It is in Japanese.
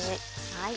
はい。